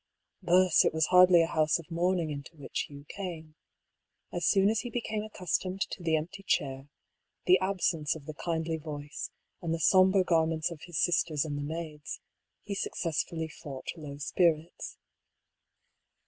Thus it was hardly a house of mourning into whi6h Hugh came. As soon as he became accustomed to the empty chair, the absence of the kindly voice, and the sombre garments of his sisters and the maids, he suc cessfully fought low spirits.